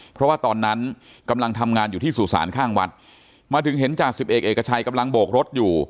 เพราะว่าตอนนั้นกำลังทำงานอยู่ที่สุสานข้างวัดมาถึงเห็นจ่าสิบเอกเอกชัยกำลังโบกรถอยู่